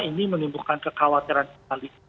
ini menimbulkan kekhawatiran sekali